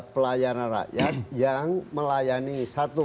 pelayanan rakyat yang melayani satu